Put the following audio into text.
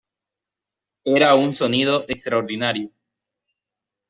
Era un sonido extraordinario.